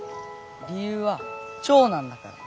理由は長男だから。